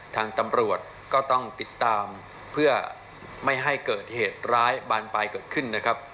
ทางตำรวจก็ต้องติดตามเพื่อไม่ให้เกิดเหตุร้ายบานปลายเกิดขึ้นนะครับ